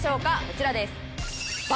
こちらです。